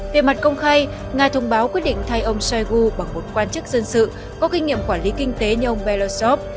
về mặt công khai nga thông báo quyết định thay ông shoigu bằng một quan chức dân sự có kinh nghiệm quản lý kinh tế như ông belarusov